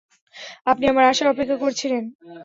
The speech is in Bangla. আপনি আমার আসার অপেক্ষা করছিলেন।